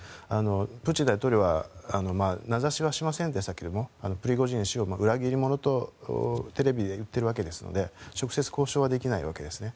プーチン大統領は名指しはしませんでしたけどもプリゴジン氏を裏切り者とテレビで言っているわけですので直接交渉はできないわけですね。